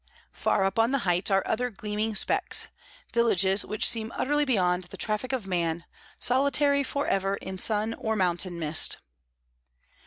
Far up on the heights are other gleaming specks, villages which seem utterly beyond the traffic of man, solitary for ever in sun or mountain mist.